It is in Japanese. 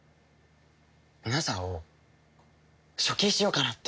皆さんを処刑しようかなって。